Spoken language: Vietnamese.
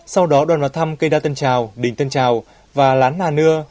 sau đó đoàn vào thăm cây đa tân trào đỉnh tân trào và lán nà nưa